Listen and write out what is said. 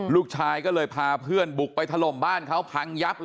ลูกชายก็เลยพาเพื่อนบุกไปทะลมบ้านเขา